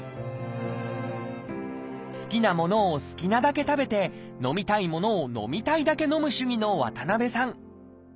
好きなものを好きなだけ食べて飲みたいものを飲みたいだけ飲む主義の渡さん。